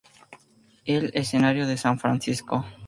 El escenario es San Francisco.